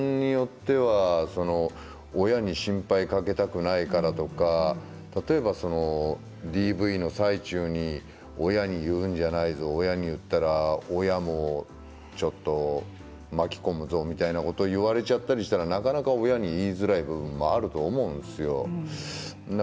親に心配かけたくないからとかそういうこと例えばＤＶの最中に親に言うんじゃないぞ親に言ったら親もちょっと巻き込むぞみたいなことを言われちゃったりしたらなかなか親に言いづらい部分はありますよね。